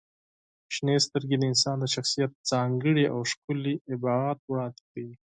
• شنې سترګې د انسان د شخصیت ځانګړی او ښکلی ابعاد وړاندې کوي.